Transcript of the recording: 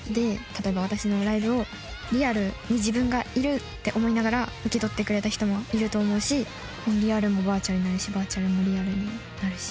例えば私のライブをリアルに自分がいるって思いながら受け取ってくれた人もいると思うしリアルもバーチャルになるしバーチャルもリアルになるし。